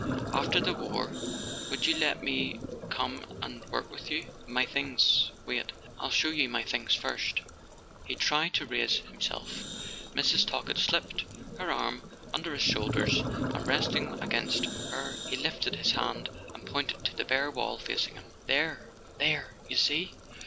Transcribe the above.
After the war, would you let me come and work with you ? My things ... wait. .. I'll show you my things first." He tried to raise himself. Mrs. Talkett slipped her arm under his shoulders, and resting against her he lifted his hand and pointed to the bare wall facing him. [ 146] A SON AT THE FRONT "There—there; you see?